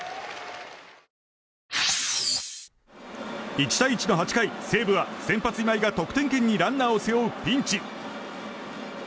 １対１の８回、西武は先発、今井が得点圏にランナーを背負うピンチ。